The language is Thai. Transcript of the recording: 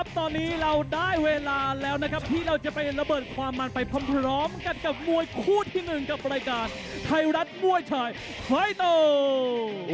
ตอนนี้เราได้เวลาแล้วนะครับที่เราจะไประเบิดความมันไปพร้อมกันกับมวยคู่ที่๑กับรายการไทยรัฐมวยไทยไฟเตอร์